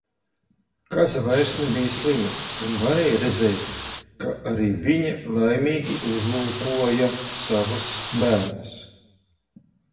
Kaza vairs nebija slima un varēja redzēt, ka arī viņa laimīgi uzlūkoja savus bērnus.